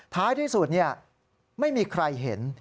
ท้ายที่สุดไม่มีใครเห็น